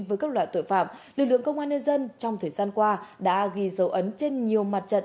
với các loại tội phạm lực lượng công an nhân dân trong thời gian qua đã ghi dấu ấn trên nhiều mặt trận